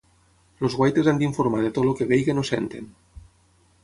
Els guaites han d'informar de tot el que vegin o sentin.